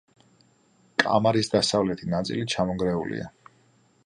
კამარის დასავლეთი ნაწილი ჩამონგრეულია.